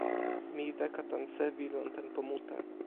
mi weka tan sewi lon tenpo mute.